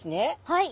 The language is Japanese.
はい。